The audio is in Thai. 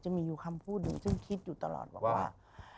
จะมีอยู่คำพูดหนึ่งซึ่งคิดอยู่ตลอดบอกว่า